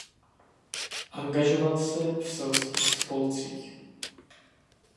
Angažoval se v selských spolcích.